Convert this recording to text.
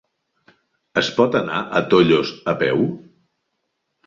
Es pot anar a Tollos a peu?